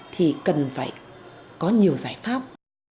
thì cần phải có nhiều giải pháp